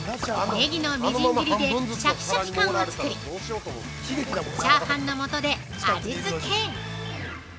◆ネギのみじん切りでシャキシャキ感を作り、チャーハンのもとで味付け。